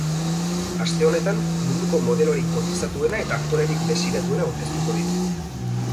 Aste honetan, munduko modelorik kotizatuena eta aktorerik desiratuena aurkeztuko ditu.